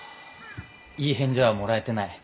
いい返事はもらえてない。